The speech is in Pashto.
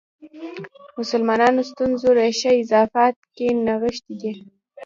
مسلمانانو ستونزو ریښه اضافات کې نغښې ده.